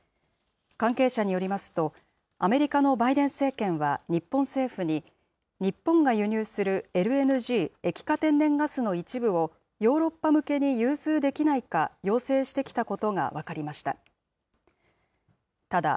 関係者によりますと、アメリカのバイデン政権は日本政府に、日本が輸入するＬＮＧ・液化天然ガスの一部をヨーロッパ向けに融通できないか要請してきたことが分かりました。